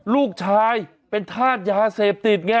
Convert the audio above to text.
ลูกชายเป็นธาตุยาเสพติดไง